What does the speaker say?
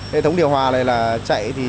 hệ thống điều hòa này là chạy